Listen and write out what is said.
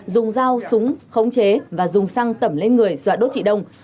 dùng dao súng khống chế và dùng xăng tầm lên người vợ dọa đốt chị đông